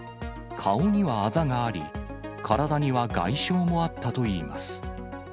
顔にはあざがあり、体には外傷もあったといいます。